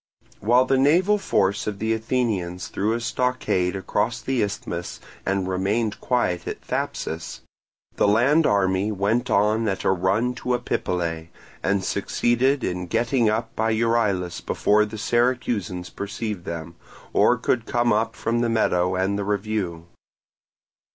While the naval force of the Athenians threw a stockade across the isthmus and remained quiet at Thapsus, the land army immediately went on at a run to Epipolae, and succeeded in getting up by Euryelus before the Syracusans perceived them, or could come up from the meadow and the review.